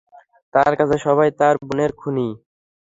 তার কাছে সবাই তার বোনের খুনি।